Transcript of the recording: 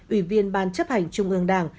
ủy viên ban chấp hành trung ương đảng